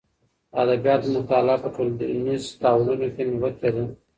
د ادبیاتو مطالعه په ټولنیز تحولونو کې نغوتې لري.